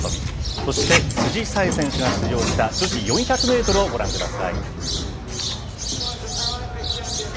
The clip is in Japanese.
そして辻沙絵選手が出場した女子４００メートルをご覧ください。